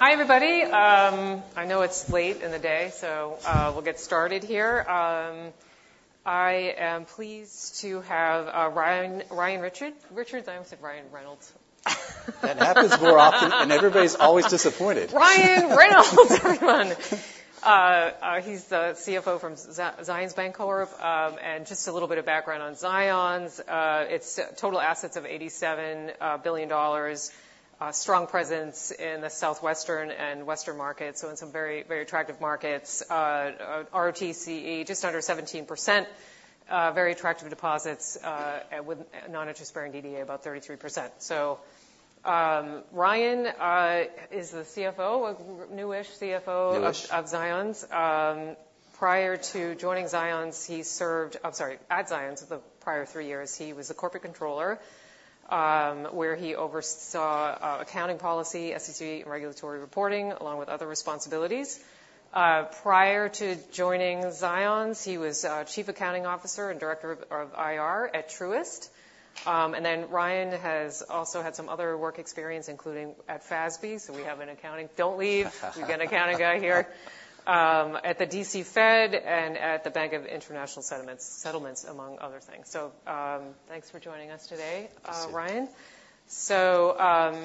Hi, everybody. I know it's late in the day, so we'll get started here. I am pleased to have Ryan Richards. I almost said Ryan Reynolds. That happens more often, and everybody's always disappointed. Ryan Richards, everyone. He's the CFO from Zions Bancorporation. And just a little bit of background on Zions. It's total assets of $87 billion, a strong presence in the Southwestern and Western markets, so in some very, very attractive markets. ROTCE, just under 17%, very attractive deposits with noninterest-bearing DDA, about 33%. So Ryan is the CFO, new-ish CFO of Zions. Prior to joining Zions, he served, I'm sorry, at Zions the prior three years, he was the corporate controller, where he oversaw accounting policy, SEC regulatory reporting, along with other responsibilities. Prior to joining Zions, he was Chief Accounting Officer and Director of IR at Truist. And then Ryan has also had some other work experience, including at FASB, so we have an accounting, don't leave, we've got an accounting guy here, at the D.C. Fed and at the Bank for International Settlements, among other things. Thanks for joining us today, Ryan. I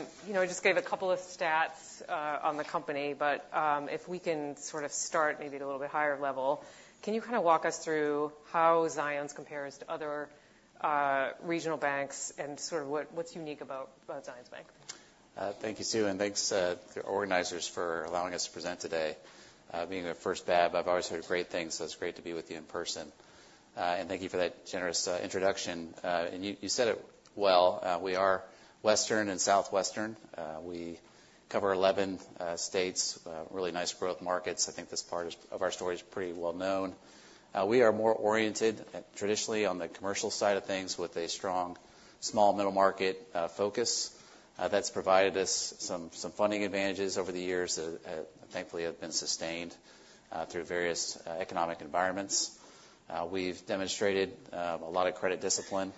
just gave a couple of stats on the company, but if we can sort of start maybe at a little bit higher level, can you kind of walk us through how Zions compares to other regional banks and sort of what's unique about Zions Bank? Thank you, Sue, and thanks to the organizers for allowing us to present today. Being a first BAB, I've always heard great things, so it's great to be with you in person, and you said it well. We are Western and Southwestern. We cover 11 states, really nice growth markets. I think this part of our story is pretty well known. We are more oriented traditionally on the commercial side of things with a strong small middle market focus. That's provided us some funding advantages over the years that thankfully have been sustained through various economic environments. We've demonstrated a lot of credit discipline.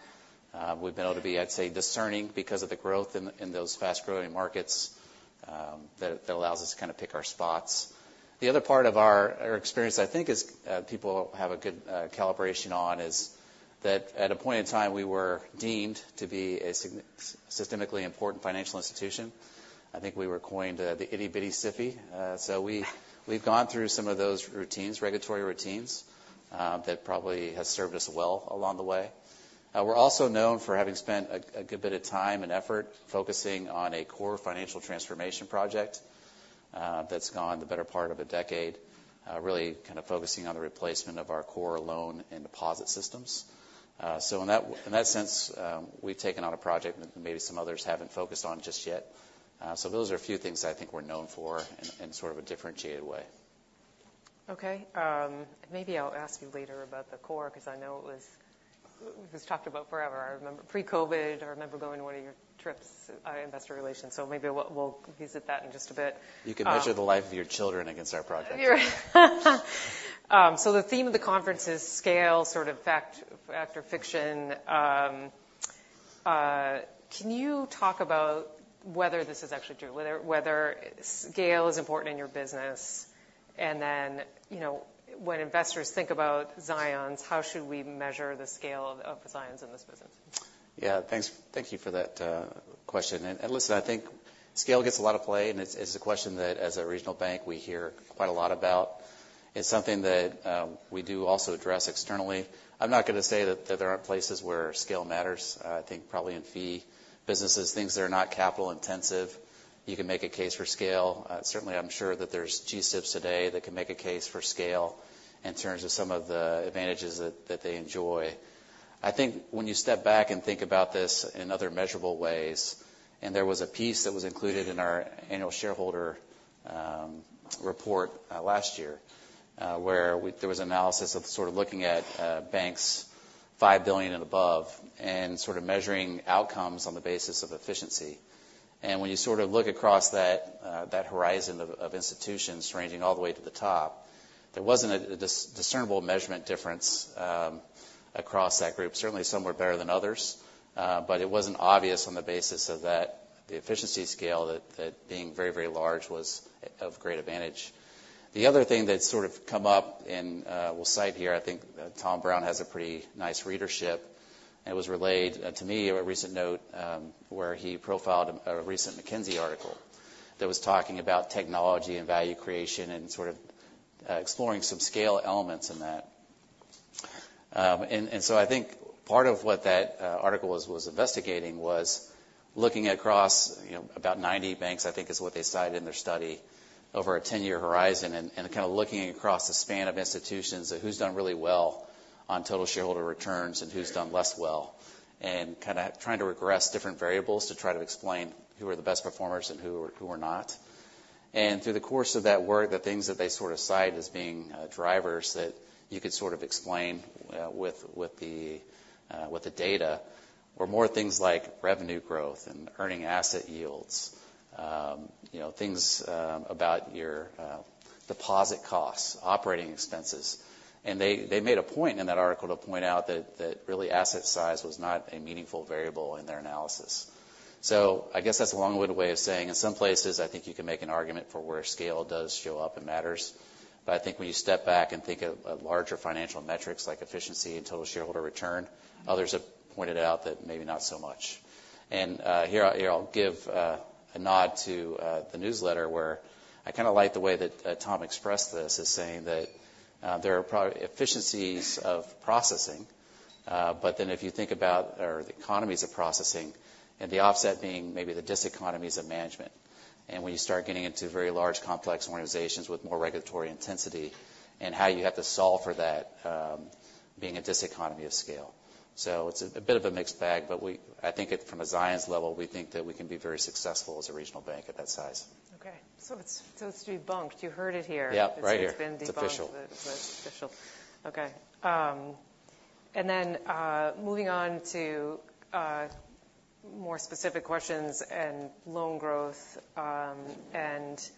We've been able to be, I'd say, discerning because of the growth in those fast-growing markets that allows us to kind of pick our spots. The other part of our experience, I think, is people have a good calibration on, is that at a point in time we were deemed to be a systemically important financial institution. I think we were coined the itty-bitty SIFI. So we've gone through some of those routines, regulatory routines, that probably have served us well along the way. We're also known for having spent a good bit of time and effort focusing on a core financial transformation project that's gone the better part of a decade, really kind of focusing on the replacement of our core loan and deposit systems. So in that sense, we've taken on a project that maybe some others haven't focused on just yet. So those are a few things I think we're known for in sort of a differentiated way. Okay. Maybe I'll ask you later about the core because I know it was talked about forever. I remember pre-COVID. I remember going to one of your trips, investor relations, so maybe we'll visit that in just a bit. You can measure the life of your children against our project. So the theme of the conference is scale, sort of fact or fiction. Can you talk about whether this is actually true, whether scale is important in your business? And then when investors think about Zions, how should we measure the scale of Zions in this business? Yeah, thank you for that question. And listen, I think scale gets a lot of play, and it's a question that as a regional bank we hear quite a lot about. It's something that we do also address externally. I'm not going to say that there aren't places where scale matters. I think probably in fee businesses, things that are not capital intensive, you can make a case for scale. Certainly, I'm sure that there's G-SIBs today that can make a case for scale in terms of some of the advantages that they enjoy. I think when you step back and think about this in other measurable ways, and there was a piece that was included in our annual shareholder report last year where there was analysis of sort of looking at banks five billion and above and sort of measuring outcomes on the basis of efficiency. And when you sort of look across that horizon of institutions ranging all the way to the top, there wasn't a discernible measurement difference across that group. Certainly, some were better than others, but it wasn't obvious on the basis of that the efficiency scale that being very, very large was of great advantage. The other thing that's sort of come up and we'll cite here, I think Tom Brown has a pretty nice readership, and it was relayed to me a recent note where he profiled a recent McKinsey article that was talking about technology and value creation and sort of exploring some scale elements in that. And so I think part of what that article was investigating was looking across about 90 banks, I think is what they cited in their study, over a 10-year horizon and kind of looking across the span of institutions of who's done really well on total shareholder returns and who's done less well and kind of trying to regress different variables to try to explain who are the best performers and who are not. And through the course of that work, the things that they sort of cite as being drivers that you could sort of explain with the data were more things like revenue growth and earning asset yields, things about your deposit costs, operating expenses. And they made a point in that article to point out that really asset size was not a meaningful variable in their analysis. So I guess that's a long-winded way of saying in some places, I think you can make an argument for where scale does show up and matters. But I think when you step back and think of larger financial metrics like efficiency and total shareholder return, others have pointed out that maybe not so much. And here I'll give a nod to the newsletter where I kind of like the way that Tom expressed this, is saying that there are probably efficiencies of processing, but then if you think about the economies of processing and the offset being maybe the diseconomies of management. And when you start getting into very large complex organizations with more regulatory intensity and how you have to solve for that being a diseconomy of scale. So it's a bit of a mixed bag, but I think from a Zions level, we think that we can be very successful as a regional bank at that size. Okay. So it's debunked. You heard it here. Yeah, right here. It's been debunked. It's official. It's official. Okay. And then moving on to more specific questions and loan growth. And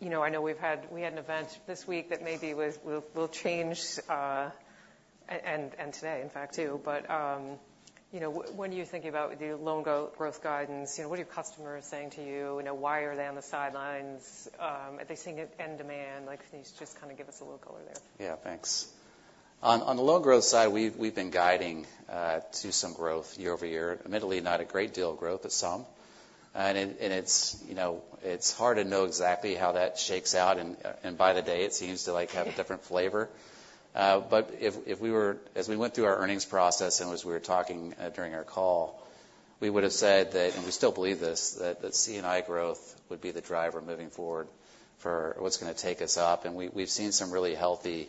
I know we had an event this week that maybe will change, and today in fact too, but when you're thinking about the loan growth guidance, what are your customers saying to you? Why are they on the sidelines? Are they seeing it end demand? Can you just kind of give us a little color there? Yeah, thanks. On the loan growth side, we've been guiding to some growth year over year, admittedly not a great deal of growth, but some. And it's hard to know exactly how that shakes out, and by the day it seems to have a different flavor. But as we went through our earnings process and as we were talking during our call, we would have said, and we still believe this, that C&I growth would be the driver moving forward for what's going to take us up. And we've seen some really healthy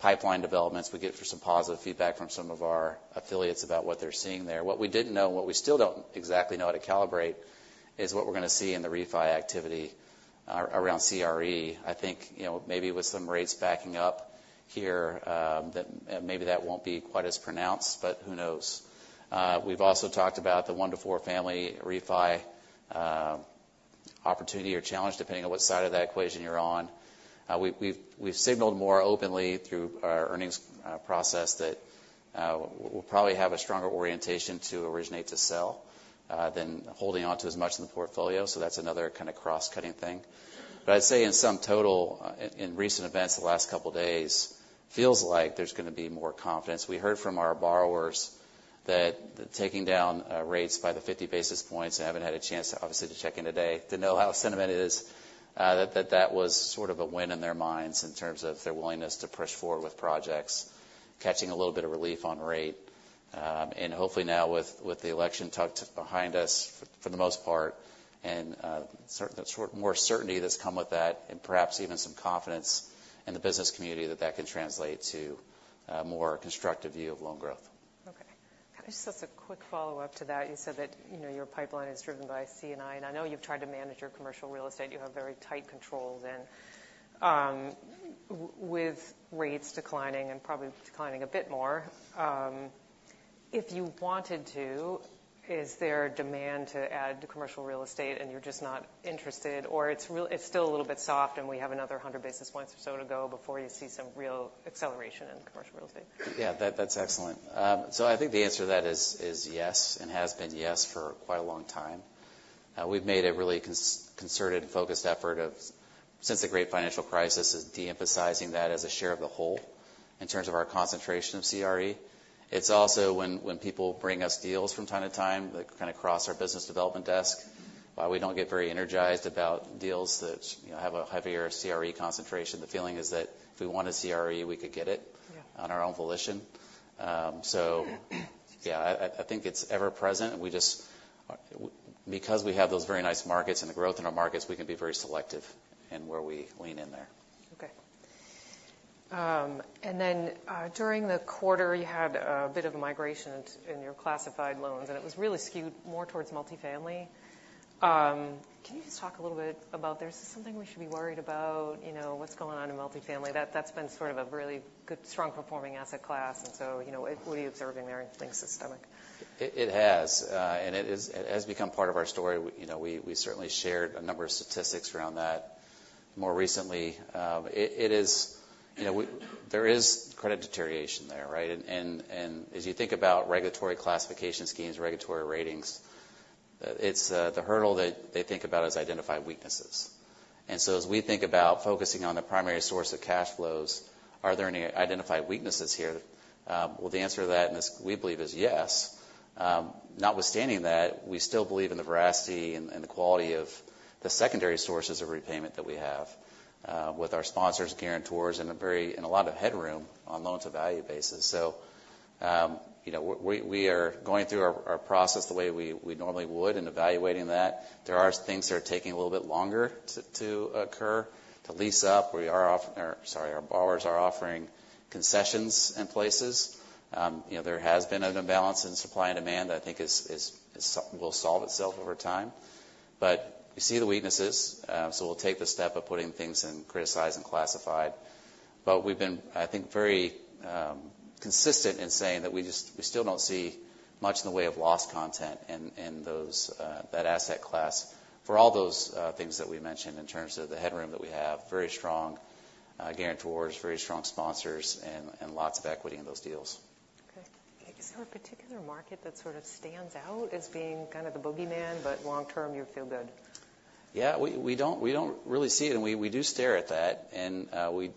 pipeline developments. We get some positive feedback from some of our affiliates about what they're seeing there. What we didn't know, what we still don't exactly know how to calibrate, is what we're going to see in the refi activity around CRE. I think maybe with some rates backing up here, maybe that won't be quite as pronounced, but who knows. We've also talked about the one to four family refi opportunity or challenge, depending on what side of that equation you're on. We've signaled more openly through our earnings process that we'll probably have a stronger orientation to originate to sell than holding on to as much in the portfolio. So that's another kind of cross-cutting thing. But I'd say in some total, in recent events the last couple of days, feels like there's going to be more confidence. We heard from our borrowers that taking down rates by the 50 basis points, and haven't had a chance, obviously, to check in today to know how sentiment is, that that was sort of a win in their minds in terms of their willingness to push forward with projects, catching a little bit of relief on rate, and hopefully now with the election tucked behind us for the most part and more certainty that's come with that and perhaps even some confidence in the business community that that can translate to a more constructive view of loan growth. Okay. Just as a quick follow-up to that, you said that your pipeline is driven by C&I, and I know you've tried to manage your commercial real estate. You have very tight controls. And with rates declining and probably declining a bit more, if you wanted to, is there demand to add commercial real estate and you're just not interested, or it's still a little bit soft and we have another 100 basis points or so to go before you see some real acceleration in commercial real estate? Yeah, that's excellent. So I think the answer to that is yes and has been yes for quite a long time. We've made a really concerted and focused effort since the Great Financial Crisis of de-emphasizing that as a share of the whole in terms of our concentration of CRE. It's also when people bring us deals from time to time that kind of cross our business development desk, why we don't get very energized about deals that have a heavier CRE concentration. The feeling is that if we wanted CRE, we could get it on our own volition. So yeah, I think it's ever present. Because we have those very nice markets and the growth in our markets, we can be very selective in where we lean in there. Okay. And then during the quarter, you had a bit of a migration in your classified loans, and it was really skewed more towards multifamily. Can you just talk a little bit about there's something we should be worried about, what's going on in multifamily? That's been sort of a really good, strong performing asset class. And so what are you observing there in things systemic? It has, and it has become part of our story. We certainly shared a number of statistics around that more recently. There is credit deterioration there, right, and as you think about regulatory classification schemes, regulatory ratings, it's the hurdle that they think about as identified weaknesses, and so as we think about focusing on the primary source of cash flows, are there any identified weaknesses here? Well, the answer to that, we believe, is yes. Notwithstanding that, we still believe in the veracity and the quality of the secondary sources of repayment that we have with our sponsors, guarantors, and a lot of headroom on loan-to-value basis, so we are going through our process the way we normally would in evaluating that. There are things that are taking a little bit longer to occur. To lease up, our borrowers are offering concessions in places. There has been an imbalance in supply and demand that I think will solve itself over time. But we see the weaknesses, so we'll take the step of putting things in criticized and classified. But we've been, I think, very consistent in saying that we still don't see much in the way of loss content in that asset class for all those things that we mentioned in terms of the headroom that we have, very strong guarantors, very strong sponsors, and lots of equity in those deals. Okay. Is there a particular market that sort of stands out as being kind of the bogeyman, but long-term you feel good? Yeah, we don't really see it, and we do stare at that and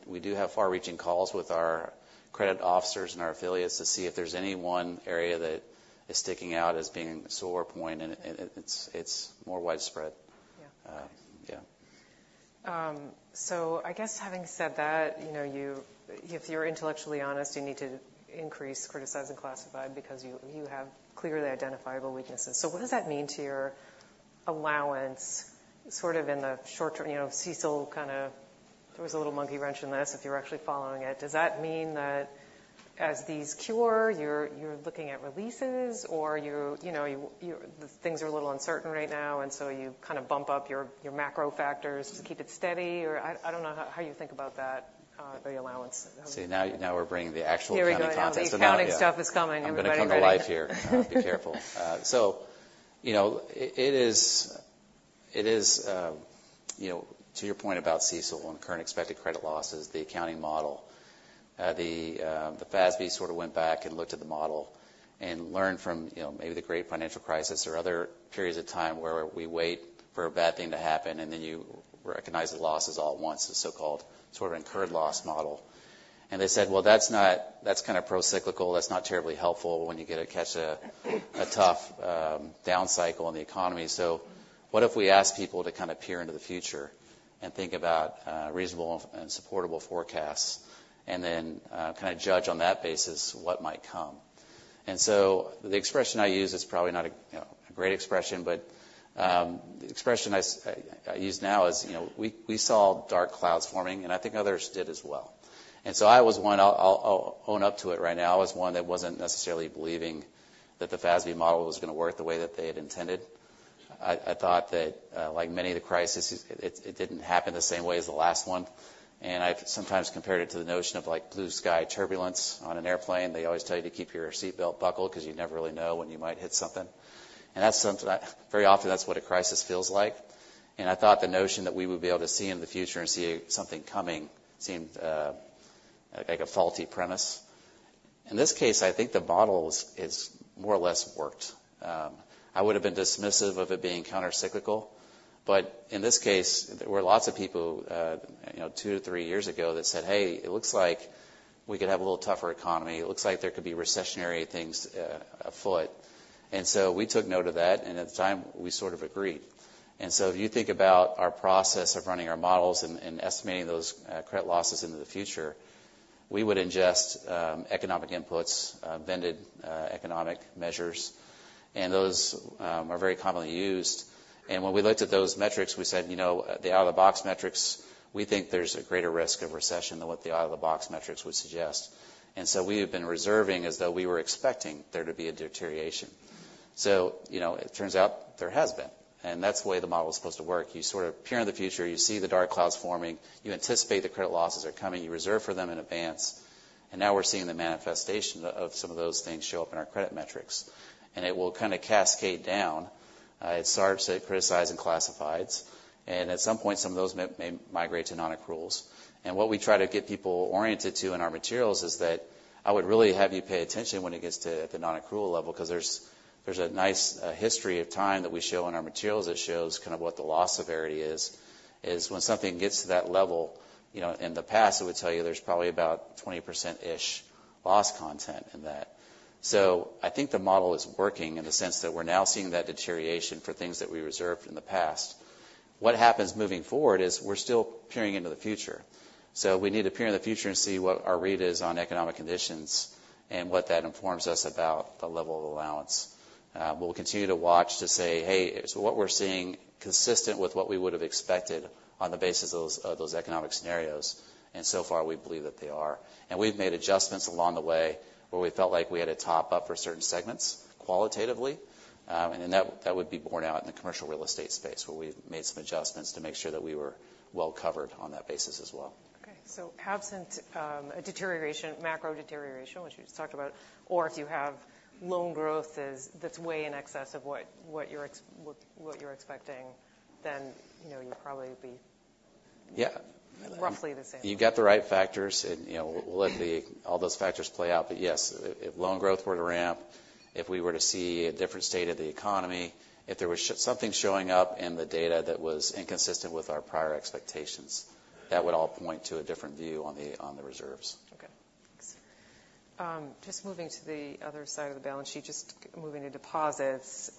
we do have far-reaching calls with our credit officers and our affiliates to see if there's any one area that is sticking out as being a sore point, and it's more widespread. Yeah. So I guess having said that, if you're intellectually honest, you need to increase criticized and classified because you have clearly identifiable weaknesses. So what does that mean to your allowance sort of in the short-term? CECL kind of, there was a little monkey wrench in this. If you're actually following it, does that mean that as these cure, you're looking at releases or things are a little uncertain right now, and so you kind of bump up your macro factors to keep it steady? I don't know how you think about that, the allowance. See, now we're bringing the actual credit contents to market. The accounting stuff is coming. We're going to come to life here. Be careful. So it is, to your point about CECL and current expected credit losses, the accounting model, the FASB sort of went back and looked at the model and learned from maybe the great financial crisis or other periods of time where we wait for a bad thing to happen and then you recognize the losses all at once, the so-called sort of incurred loss model. And they said, "Well, that's kind of pro-cyclical. That's not terribly helpful when you get to catch a tough down cycle in the economy." So what if we ask people to kind of peer into the future and think about reasonable and supportable forecasts and then kind of judge on that basis what might come? And so the expression I use is probably not a great expression, but the expression I use now is we saw dark clouds forming, and I think others did as well. And so I was one. I'll own up to it right now. I was one that wasn't necessarily believing that the FASB model was going to work the way that they had intended. I thought that like many of the crises, it didn't happen the same way as the last one. And I've sometimes compared it to the notion of blue sky turbulence on an airplane. They always tell you to keep your seatbelt buckled because you never really know when you might hit something. And very often that's what a crisis feels like. And I thought the notion that we would be able to see in the future and see something coming seemed like a faulty premise. In this case, I think the model has more or less worked. I would have been dismissive of it being countercyclical, but in this case, there were lots of people two to three years ago that said, "Hey, it looks like we could have a little tougher economy. It looks like there could be recessionary things afoot." And so we took note of that, and at the time we sort of agreed. And so if you think about our process of running our models and estimating those credit losses into the future, we would ingest economic inputs, vendor economic measures, and those are very commonly used. And when we looked at those metrics, we said, "The out-of-the-box metrics, we think there's a greater risk of recession than what the out-of-the-box metrics would suggest." And so we have been reserving as though we were expecting there to be a deterioration. So it turns out there has been, and that's the way the model is supposed to work. You sort of peer in the future, you see the dark clouds forming, you anticipate the credit losses are coming, you reserve for them in advance, and now we're seeing the manifestation of some of those things show up in our credit metrics. And it will kind of cascade down. It starts at criticized and classifieds, and at some point some of those may migrate to nonaccruals. And what we try to get people oriented to in our materials is that I would really have you pay attention when it gets to the non-accrual level because there's a nice history of time that we show in our materials that shows kind of what the loss severity is. When something gets to that level in the past, it would tell you there's probably about 20%-ish loss content in that. So I think the model is working in the sense that we're now seeing that deterioration for things that we reserved in the past. What happens moving forward is we're still peering into the future. So we need to peer in the future and see what our read is on economic conditions and what that informs us about the level of allowance. We'll continue to watch to say, "Hey, is what we're seeing consistent with what we would have expected on the basis of those economic scenarios?" And so far we believe that they are. We've made adjustments along the way where we felt like we had a top-up for certain segments qualitatively, and that would be borne out in the commercial real estate space where we've made some adjustments to make sure that we were well covered on that basis as well. Okay, so absent a deterioration, macro deterioration, which you just talked about, or if you have loan growth that's way in excess of what you're expecting, then you'll probably be roughly the same. Yeah. You got the right factors, and we'll let all those factors play out. But yes, if loan growth were to ramp, if we were to see a different state of the economy, if there was something showing up in the data that was inconsistent with our prior expectations, that would all point to a different view on the reserves. Okay. Thanks. Just moving to the other side of the balance sheet, just moving to deposits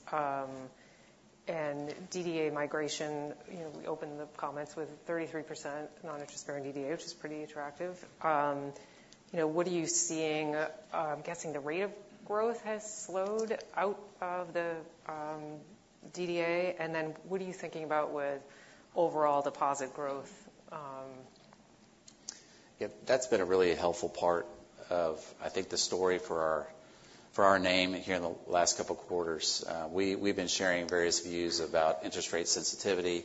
and DDA migration. We opened the comments with 33% noninterest-bearing DDA, which is pretty attractive. What are you seeing? I'm guessing the rate of growth has slowed out of the DDA. And then what are you thinking about with overall deposit growth? Yeah, that's been a really helpful part of, I think, the story for our name here in the last couple of quarters. We've been sharing various views about interest rate sensitivity,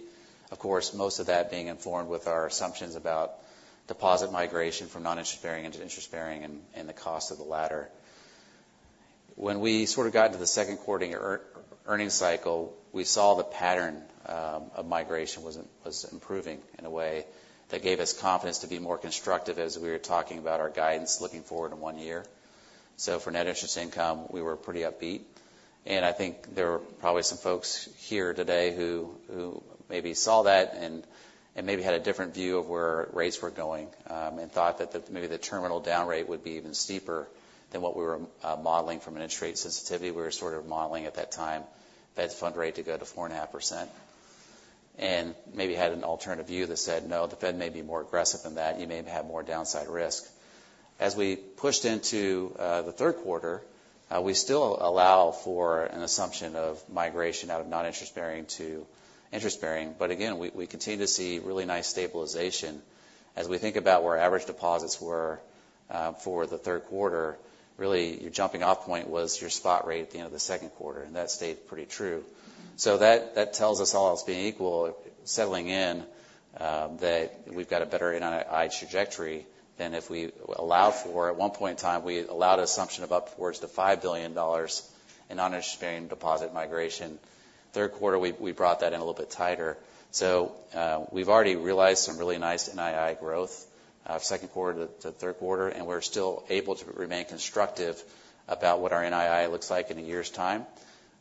of course, most of that being informed with our assumptions about deposit migration from non-interest-bearing into interest-bearing and the cost of the latter. When we sort of got into the second quarter earnings cycle, we saw the pattern of migration was improving in a way that gave us confidence to be more constructive as we were talking about our guidance looking forward in one year, so for net interest income, we were pretty upbeat. I think there were probably some folks here today who maybe saw that and maybe had a different view of where rates were going and thought that maybe the terminal down rate would be even steeper than what we were modeling from an interest rate sensitivity. We were sort of modeling at that time Fed fund rate to go to 4.5% and maybe had an alternative view that said, "No, the Fed may be more aggressive than that. You may have more downside risk." As we pushed into the third quarter, we still allow for an assumption of migration out of non-interest-bearing to interest-bearing. Again, we continue to see really nice stabilization. As we think about where average deposits were for the third quarter, really your jumping-off point was your spot rate at the end of the second quarter, and that stayed pretty true. So that tells us all else being equal, settling in that we've got a better NII trajectory than if we allowed for. At one point in time, we allowed an assumption of upwards to $5 billion in non-interest-bearing deposit migration. Third quarter, we brought that in a little bit tighter. So we've already realized some really nice NII growth second quarter to third quarter, and we're still able to remain constructive about what our NII looks like in a year's time.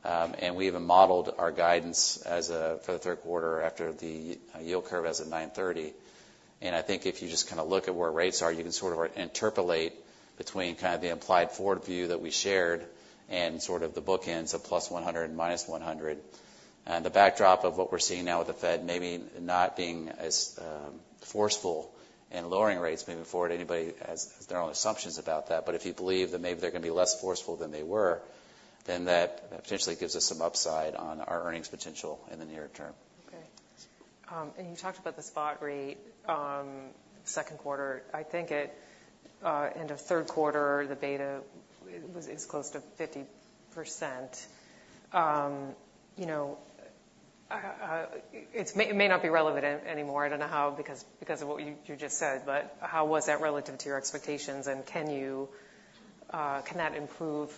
And we even modeled our guidance for the third quarter after the yield curve as of 9/30. And I think if you just kind of look at where rates are, you can sort of interpolate between kind of the implied forward view that we shared and sort of the bookends of plus 100 and minus 100. The backdrop of what we're seeing now with the Fed maybe not being as forceful in lowering rates moving forward. Anybody has their own assumptions about that. If you believe that maybe they're going to be less forceful than they were, then that potentially gives us some upside on our earnings potential in the near term. Okay. And you talked about the spot rate second quarter. I think at end of third quarter, the beta is close to 50%. It may not be relevant anymore. I don't know how because of what you just said, but how was that relative to your expectations? And can that improve?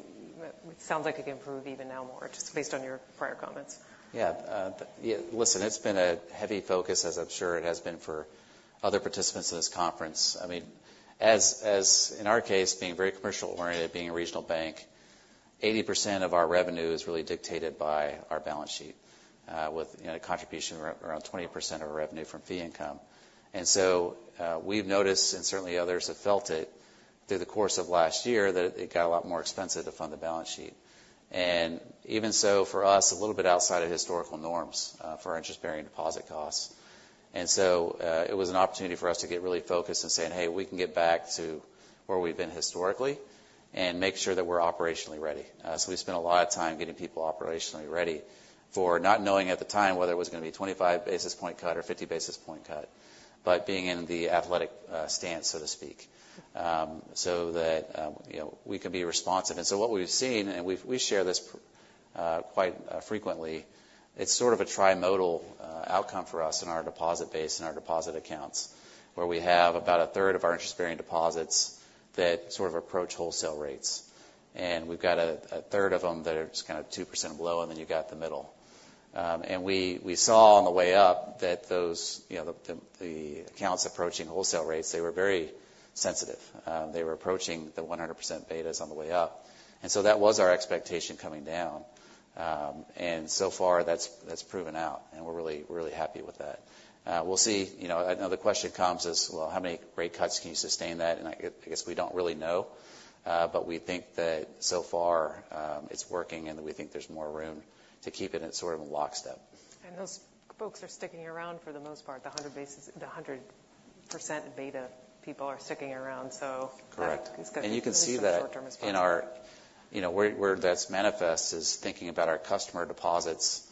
It sounds like it can improve even now more, just based on your prior comments. Yeah. Listen, it's been a heavy focus, as I'm sure it has been for other participants in this conference. I mean, as in our case, being very commercial-oriented, being a regional bank, 80% of our revenue is really dictated by our balance sheet with a contribution of around 20% of our revenue from fee income. And so we've noticed, and certainly others have felt it through the course of last year, that it got a lot more expensive to fund the balance sheet. And even so for us, a little bit outside of historical norms for our interest-bearing deposit costs. And so it was an opportunity for us to get really focused and say, "Hey, we can get back to where we've been historically and make sure that we're operationally ready." So we spent a lot of time getting people operationally ready for not knowing at the time whether it was going to be a 25 basis point cut or a 50 basis point cut, but being in the athletic stance, so to speak, so that we can be responsive. And so what we've seen, and we share this quite frequently, it's sort of a tri-modal outcome for us in our deposit base and our deposit accounts where we have about a third of our interest-bearing deposits that sort of approach wholesale rates. And we've got a third of them that are kind of 2% below, and then you've got the middle. And we saw on the way up that the accounts approaching wholesale rates, they were very sensitive. They were approaching the 100% betas on the way up. And so that was our expectation coming down. And so far that's proven out, and we're really, really happy with that. We'll see. Another question comes is, "Well, how many rate cuts can you sustain that?" And I guess we don't really know, but we think that so far it's working and we think there's more room to keep it at sort of a lock step. And those folks are sticking around for the most part. The 100% beta people are sticking around, so. Correct. And you can see that in our, where that's manifest, is thinking about our customer deposits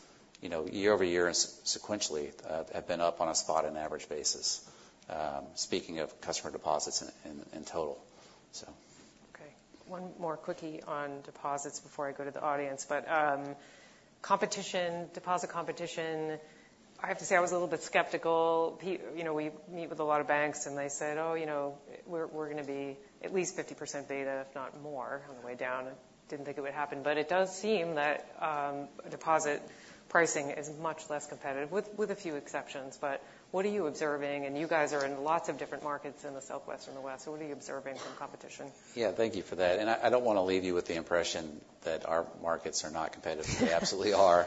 year over year and sequentially have been up on a spot and average basis, speaking of customer deposits in total, so. Okay. One more quickie on deposits before I go to the audience, but competition, deposit competition. I have to say I was a little bit skeptical. We meet with a lot of banks and they said, "Oh, we're going to be at least 50% beta, if not more on the way down." Didn't think it would happen, but it does seem that deposit pricing is much less competitive with a few exceptions. But what are you observing? And you guys are in lots of different markets in the Southwest and the West. So what are you observing from competition? Yeah, thank you for that. And I don't want to leave you with the impression that our markets are not competitive. They absolutely are.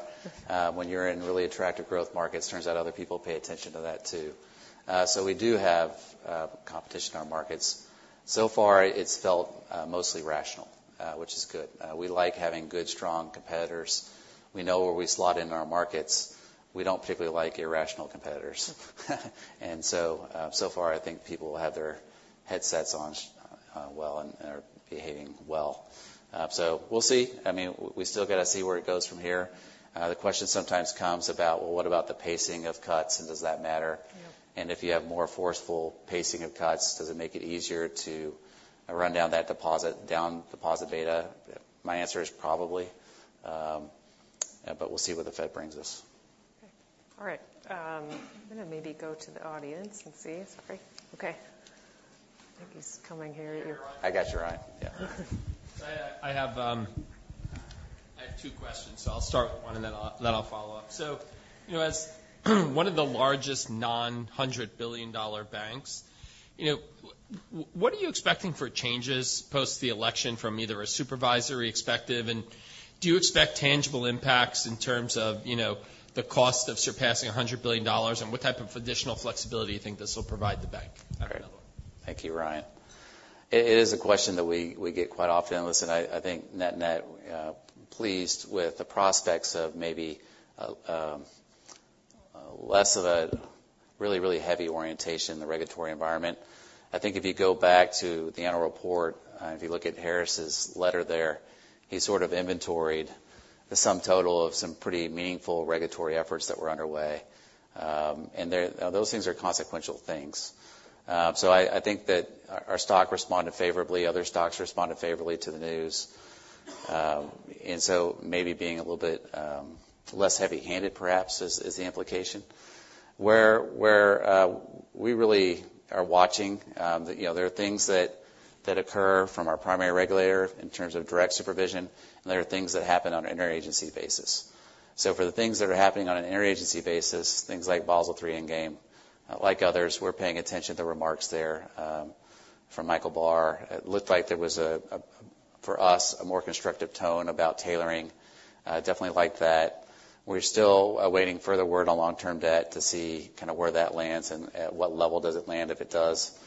When you're in really attractive growth markets, it turns out other people pay attention to that too. So we do have competition in our markets. So far it's felt mostly rational, which is good. We like having good, strong competitors. We know where we slot in our markets. We don't particularly like irrational competitors. And so far I think people have their headsets on well and are behaving well. So we'll see. I mean, we still got to see where it goes from here. The question sometimes comes about, "Well, what about the pacing of cuts and does that matter?" And if you have more forceful pacing of cuts, does it make it easier to run down that deposit, down deposit beta? My answer is probably, but we'll see what the Fed brings us. Okay. All right. I'm going to maybe go to the audience and see. Sorry. Okay. I think he's coming here. I got you, Ryan. Yeah. I have two questions, so I'll start with one and then I'll follow up. So as one of the largest non-$100 billion banks, what are you expecting for changes post the election from either a supervisory perspective? And do you expect tangible impacts in terms of the cost of surpassing $100 billion and what type of additional flexibility you think this will provide the bank? Okay. Thank you, Ryan. It is a question that we get quite often. Listen, I think net-net pleased with the prospects of maybe less of a really, really heavy orientation in the regulatory environment. I think if you go back to the annual report, if you look at Harris's letter there, he sort of inventoried the sum total of some pretty meaningful regulatory efforts that were underway. And those things are consequential things. So I think that our stock responded favorably, other stocks responded favorably to the news. And so maybe being a little bit less heavy-handed perhaps is the implication. Where we really are watching, there are things that occur from our primary regulator in terms of direct supervision, and there are things that happen on an interagency basis. So for the things that are happening on an interagency basis, things like Basel III Endgame, like others, we're paying attention to the remarks there from Michael Barr. It looked like there was, for us, a more constructive tone about tailoring. Definitely like that. We're still waiting for the word on long-term debt to see kind of where that lands and at what level does it land if it does.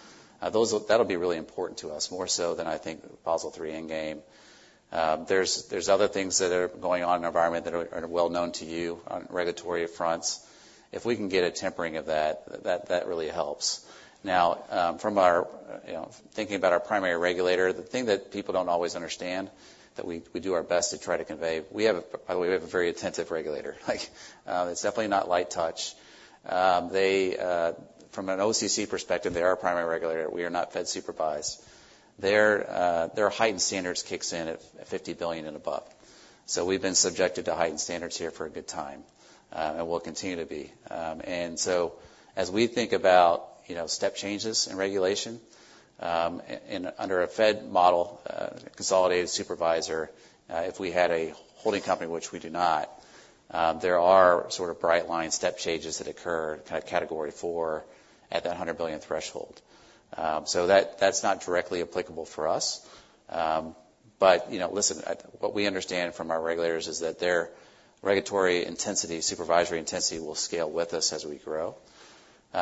That'll be really important to us, more so than I think Basel III Endgame. There's other things that are going on in the environment that are well known to you on regulatory fronts. If we can get a tempering of that, that really helps. Now, from thinking about our primary regulator, the thing that people don't always understand that we do our best to try to convey, we have a very attentive regulator. It's definitely not light touch. From an OCC perspective, they are our primary regulator. We are not Fed-supervised. Their heightened standards kicks in at $50 billion and above. So we've been subjected to heightened standards here for a good time and will continue to be. And so as we think about step changes in regulation under a Fed model, consolidated supervisor, if we had a holding company, which we do not, there are sort of bright line step changes that occur kind of category four at that $100 billion threshold. So that's not directly applicable for us. But listen, what we understand from our regulators is that their regulatory intensity, supervisory intensity will scale with us as we grow.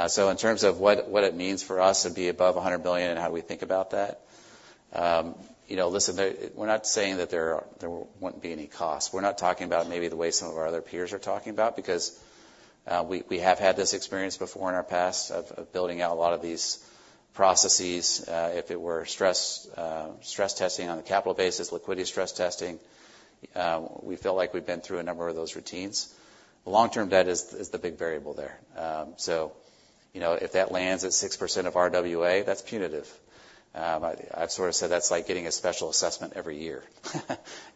So in terms of what it means for us to be above $100 billion and how do we think about that, listen, we're not saying that there won't be any costs. We're not talking about maybe the way some of our other peers are talking about because we have had this experience before in our past of building out a lot of these processes. If it were stress testing on the capital basis, liquidity stress testing, we feel like we've been through a number of those routines. Long-term debt is the big variable there. So if that lands at 6% of RWA, that's punitive. I've sort of said that's like getting a special assessment every year,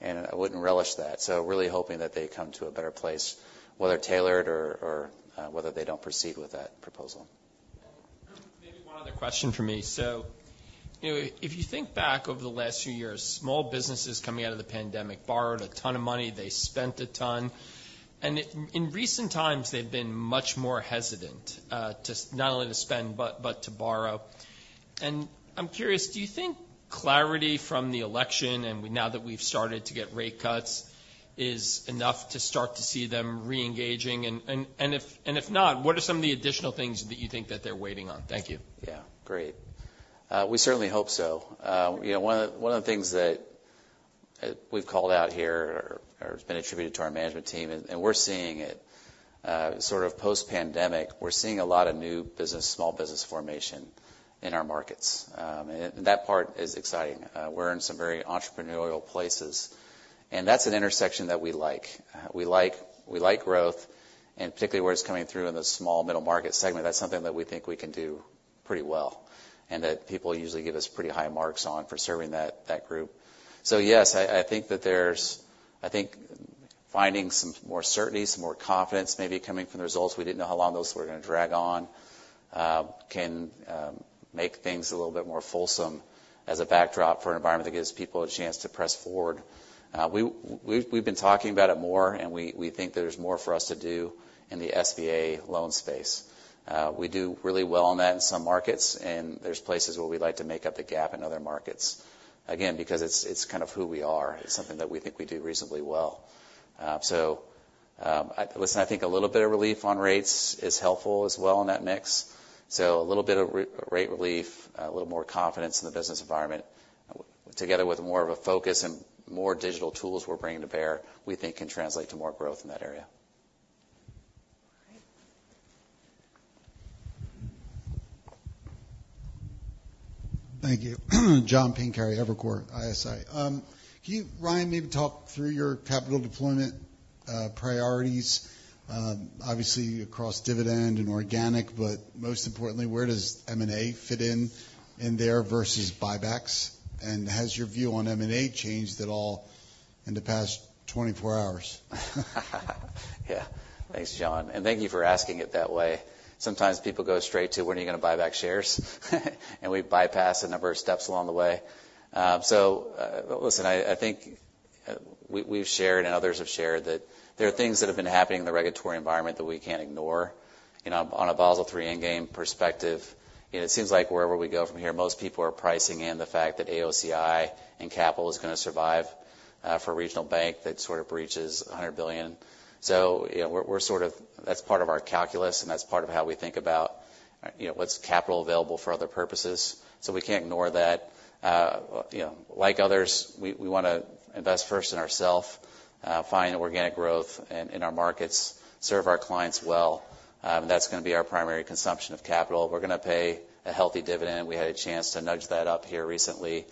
and I wouldn't relish that. So really hoping that they come to a better place, whether tailored or whether they don't proceed with that proposal. Maybe one other question for me. So if you think back over the last few years, small businesses coming out of the pandemic borrowed a ton of money. They spent a ton. And in recent times, they've been much more hesitant not only to spend but to borrow. And I'm curious, do you think clarity from the election and now that we've started to get rate cuts is enough to start to see them re-engaging? And if not, what are some of the additional things that you think that they're waiting on? Thank you. Yeah. Great. We certainly hope so. One of the things that we've called out here or has been attributed to our management team, and we're seeing it sort of post-pandemic. We're seeing a lot of new business, small business formation in our markets. That part is exciting. We're in some very entrepreneurial places, and that's an intersection that we like. We like growth, and particularly where it's coming through in the small, middle market segment. That's something that we think we can do pretty well and that people usually give us pretty high marks on for serving that group. So yes, I think that there's finding some more certainty, some more confidence maybe coming from the results. We didn't know how long those were going to drag on, can make things a little bit more fulsome as a backdrop for an environment that gives people a chance to press forward. We've been talking about it more, and we think there's more for us to do in the SBA loan space. We do really well on that in some markets, and there's places where we'd like to make up the gap in other markets. Again, because it's kind of who we are, it's something that we think we do reasonably well. So listen, I think a little bit of relief on rates is helpful as well in that mix. So a little bit of rate relief, a little more confidence in the business environment, together with more of a focus and more digital tools we're bringing to bear, we think can translate to more growth in that area. Thank you. John Pancari, Evercore ISI. Can you, Ryan, maybe talk through your capital deployment priorities, obviously across dividend and organic, but most importantly, where does M&A fit in there versus buybacks? And has your view on M&A changed at all in the past 24 hours? Yeah. Thanks, John. And thank you for asking it that way. Sometimes people go straight to, "When are you going to buy back shares?" And we've bypassed a number of steps along the way. So listen, I think we've shared and others have shared that there are things that have been happening in the regulatory environment that we can't ignore. On a Basel III Endgame perspective, it seems like wherever we go from here, most people are pricing in the fact that AOCI and capital is going to survive for a regional bank that sort of breaches $100 billion. So we're sort of, that's part of our calculus, and that's part of how we think about what's capital available for other purposes. So we can't ignore that. Like others, we want to invest first in ourselves, find organic growth in our markets, serve our clients well. That's going to be our primary consumption of capital. We're going to pay a healthy dividend. We had a chance to nudge that up here recently.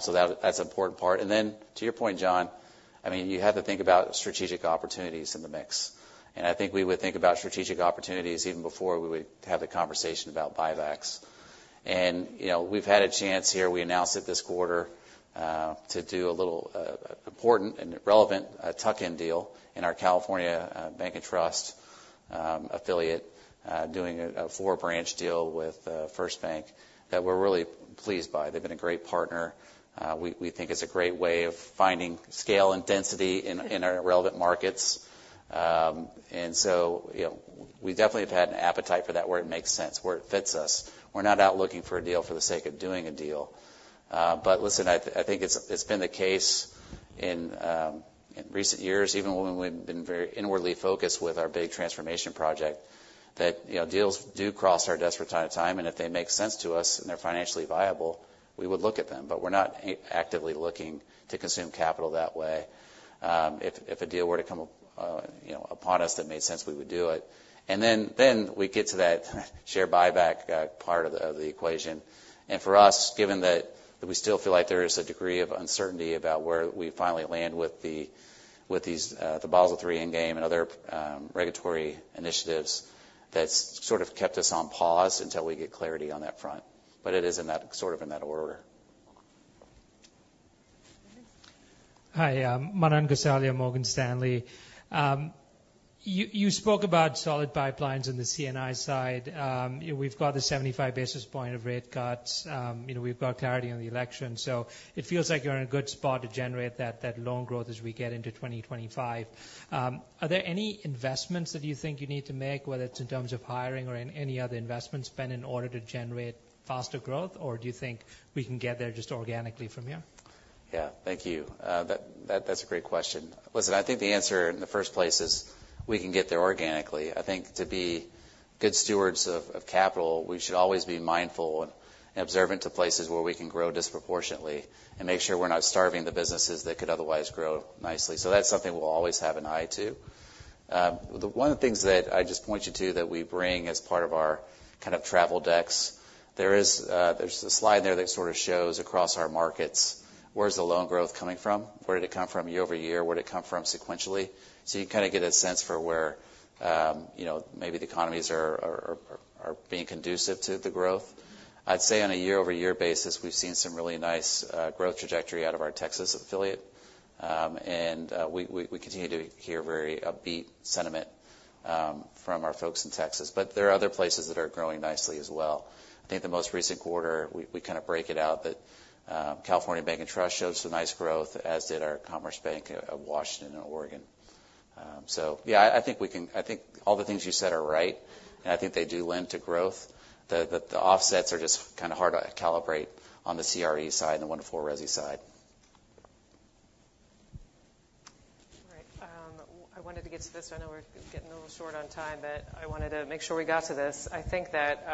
So that's an important part. And then to your point, John, I mean, you have to think about strategic opportunities in the mix. And I think we would think about strategic opportunities even before we would have the conversation about buybacks. And we've had a chance here. We announced it this quarter to do a little important and relevant tuck-in deal in our California Bank & Trust affiliate, doing a four-branch deal with FirstBank that we're really pleased by. They've been a great partner. We think it's a great way of finding scale and density in our relevant markets. And so we definitely have had an appetite for that where it makes sense, where it fits us. We're not out looking for a deal for the sake of doing a deal. But listen, I think it's been the case in recent years, even when we've been very inwardly focused with our big transformation project, that deals do cross our desk from time to time. And if they make sense to us and they're financially viable, we would look at them. But we're not actively looking to consume capital that way. If a deal were to come upon us that made sense, we would do it. And then we get to that share buyback part of the equation. And for us, given that we still feel like there is a degree of uncertainty about where we finally land with the Basel III Endgame and other regulatory initiatives, that's sort of kept us on pause until we get clarity on that front. But it is sort of in that order. Hi. Manan Gosalia and Morgan Stanley. You spoke about solid pipelines on the C&I side. We've got the 75 basis points of rate cuts. We've got clarity on the election. So it feels like you're in a good spot to generate that loan growth as we get into 2025. Are there any investments that you think you need to make, whether it's in terms of hiring or any other investments spent in order to generate faster growth, or do you think we can get there just organically from here? Yeah. Thank you. That's a great question. Listen, I think the answer in the first place is we can get there organically. I think to be good stewards of capital, we should always be mindful and observant to places where we can grow disproportionately and make sure we're not starving the businesses that could otherwise grow nicely. So that's something we'll always have an eye to. One of the things that I just point you to that we bring as part of our kind of travel decks, there's a slide there that sort of shows across our markets, where's the loan growth coming from? Where did it come from year over year? Where did it come from sequentially? So you kind of get a sense for where maybe the economies are being conducive to the growth. I'd say on a year-over-year basis, we've seen some really nice growth trajectory out of our Texas affiliate. And we continue to hear very upbeat sentiment from our folks in Texas. But there are other places that are growing nicely as well. I think the most recent quarter, we kind of break it out that California Bank & Trust showed some nice growth, as did our Commerce Bank of Washington and Oregon. So yeah, I think all the things you said are right, and I think they do lend to growth. The offsets are just kind of hard to calibrate on the CRE side and the 1-4 Resi side. All right. I wanted to get to this. I know we're getting a little short on time, but I wanted to make sure we got to this. I think that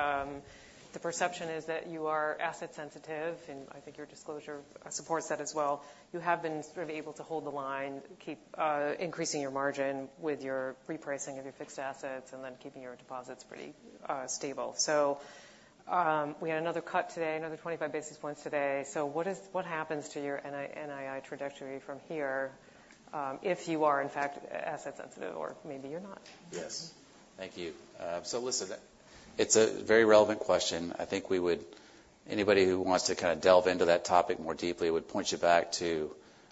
the perception is that you are asset sensitive, and I think your disclosure supports that as well. You have been sort of able to hold the line, keep increasing your margin with your repricing of your fixed assets and then keeping your deposits pretty stable. So we had another cut today, another 25 basis points today. So what happens to your NII trajectory from here if you are, in fact, asset sensitive, or maybe you're not? Yes. Thank you. So listen, it's a very relevant question. I think anybody who wants to kind of delve into that topic more deeply would point you back to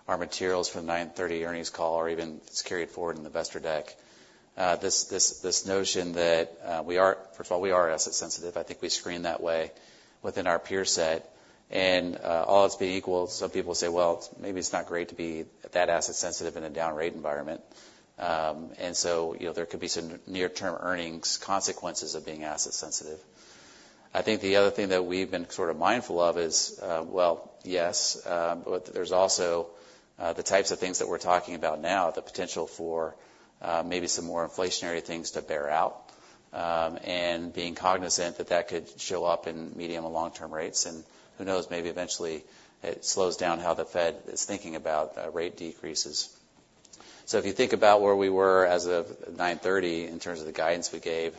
our materials from 9/30 earnings call or even if it's carried forward in the investor deck. This notion that we are, first of all, we are asset sensitive. I think we screen that way within our peer set. And all else being equal, some people say, "Well, maybe it's not great to be that asset sensitive in a down rate environment." And so there could be some near-term earnings consequences of being asset sensitive. I think the other thing that we've been sort of mindful of is, well, yes, but there's also the types of things that we're talking about now, the potential for maybe some more inflationary things to bear out and being cognizant that that could show up in medium and long-term rates, and who knows, maybe eventually it slows down how the Fed is thinking about rate decreases, so if you think about where we were as 9/30 in terms of the guidance we gave,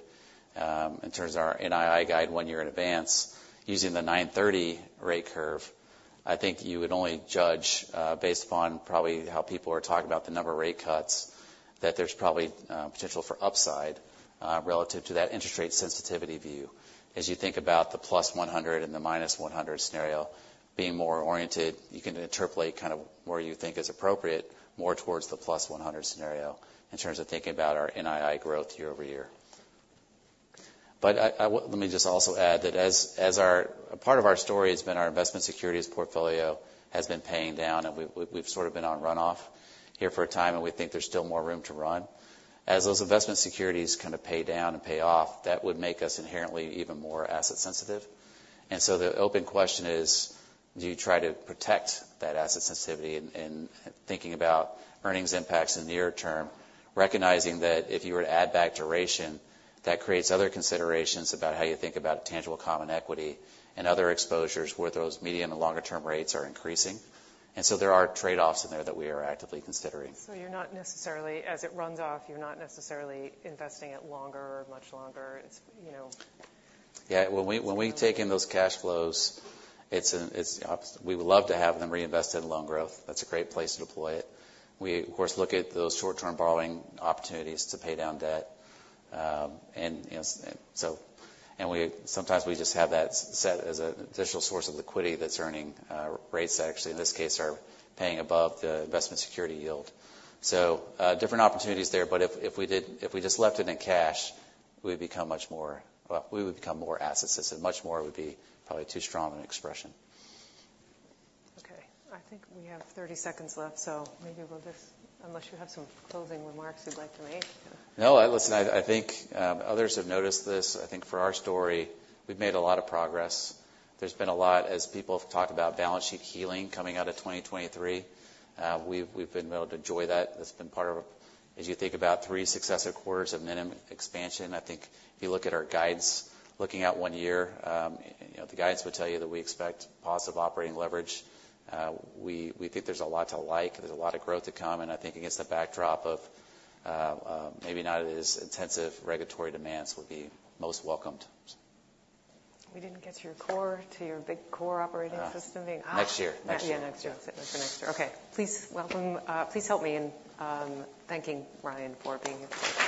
in terms of our NII guide one year in advance, using 9/30 rate curve, I think you would only judge based upon probably how people are talking about the number of rate cuts that there's probably potential for upside relative to that interest rate sensitivity view. As you think about the +100 and the -100 scenario being more oriented, you can interpolate kind of where you think is appropriate more towards the +100 scenario in terms of thinking about our NII growth year over year. But let me just also add that as part of our story has been our investment securities portfolio has been paying down, and we've sort of been on runoff here for a time, and we think there's still more room to run. As those investment securities kind of pay down and pay off, that would make us inherently even more asset sensitive. And so the open question is, do you try to protect that asset sensitivity in thinking about earnings impacts in the near term, recognizing that if you were to add back duration, that creates other considerations about how you think about tangible common equity and other exposures where those medium and longer-term rates are increasing? And so there are trade-offs in there that we are actively considering. So, you're not necessarily, as it runs off, you're not necessarily investing it longer or much longer. It's. Yeah. When we take in those cash flows, we would love to have them reinvested in loan growth. That's a great place to deploy it. We, of course, look at those short-term borrowing opportunities to pay down debt. And sometimes we just have that set as an additional source of liquidity that's earning rates that actually, in this case, are paying above the investment security yield. So different opportunities there. But if we just left it in cash, we would become much more asset sensitive. Much more would be probably too strong an expression. Okay. I think we have 30 seconds left, so maybe we'll just, unless you have some closing remarks you'd like to make. No. Listen, I think others have noticed this. I think for our story, we've made a lot of progress. There's been a lot as people have talked about balance sheet healing coming out of 2023. We've been able to enjoy that. That's been part of as you think about three successive quarters of minimum expansion. I think if you look at our guidance, looking out one year, the guidance would tell you that we expect positive operating leverage. We think there's a lot to like. There's a lot of growth to come, and I think against the backdrop of maybe not as intensive regulatory demands would be most welcomed. We didn't get to your core, to your big core operating system. Next year. Yeah, next year. For next year. Okay. Please help me in thanking Ryan for being here.